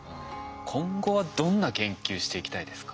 今後はどんな研究していきたいですか？